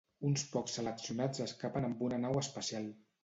Uns pocs seleccionats escapen amb una nau espacial.